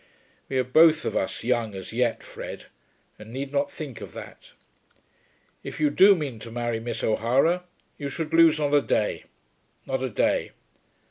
"We are both of us young as yet, Fred, and need not think of that. If you do mean to marry Miss O'Hara you should lose not a day; not a day."